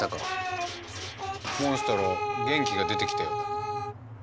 モンストロ元気が出てきたようだ。